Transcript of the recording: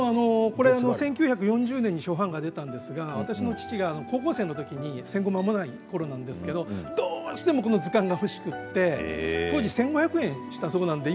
１９４０年に初版が出たんですが高校生の時に戦後まもないころなんですけどこの図鑑が欲しくて当時１５００円したそうなんです。